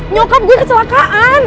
nyokap gue kecelakaan